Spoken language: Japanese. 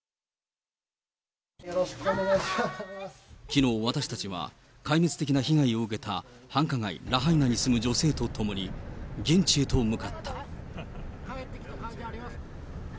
きのう、私たちは、壊滅的な被害を受けた繁華街、ラハイナに住む女性と共に現地へと向かった。